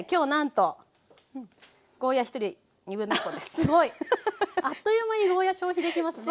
すごい！あっという間にゴーヤー消費できますね。